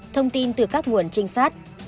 thông tin từ các nguồn trinh sát